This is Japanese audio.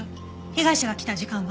被害者が来た時間は？